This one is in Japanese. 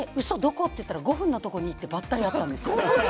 どこ？って言ったら５分のところにいて、ばったり会ったんですよ。